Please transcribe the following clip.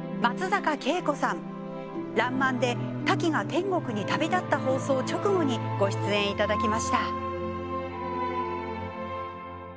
「らんまん」でタキが天国に旅立った放送直後にご出演いただきました。